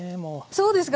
そうですか